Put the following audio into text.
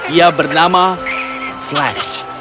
ia bernama flash